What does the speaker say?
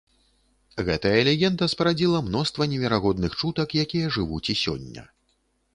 Гэтая легенда спарадзіла мноства неверагодных чутак, якія жывуць і сёння.